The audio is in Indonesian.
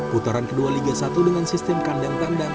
putaran kedua liga satu dengan sistem kandang kandang